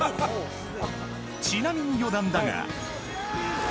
ちなみに余談だが。